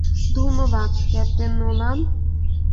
ধন্যবাদ, captain Nolan.